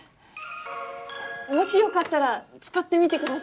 もしよかったら使ってみてください。